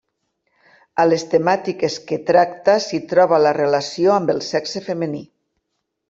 A les temàtiques que tracta s'hi troba la relació amb el sexe femení.